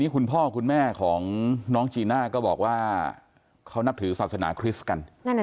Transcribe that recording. ของน้องจีน่าก็บอกว่าเขานับถือศาสนาคริสต์กันนั่นน่ะ